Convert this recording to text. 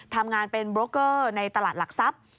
ทำงานเป็นโบรกเกอร์ในตลาดหลักทรัพย์